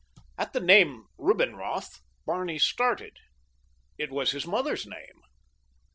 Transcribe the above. At the name "Rubinroth" Barney started. It was his mother's name.